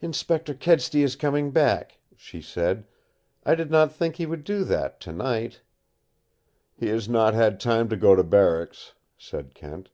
"Inspector Kedsty is coming back," she said. "I did not think he would do that tonight." "He has not had time to go to barracks," said Kent.